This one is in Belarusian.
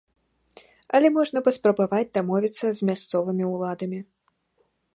Але можна паспрабаваць дамовіцца з мясцовымі ўладамі.